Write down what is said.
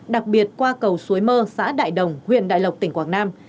đặc biệt qua cầu suối mơ xã đại đồng huyện đại lộc tỉnh quảng nam